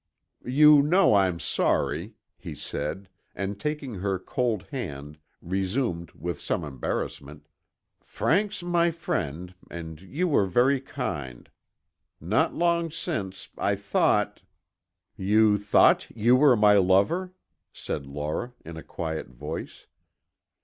"You know I'm sorry," he said, and taking her cold hand, resumed with some embarrassment: "Frank's my friend and you were very kind. Not long since I thought " "You thought you were my lover?" said Laura in a quiet voice.